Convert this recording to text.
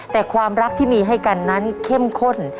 แต่ความรักที่มีให้กันนั้นเข้มข้น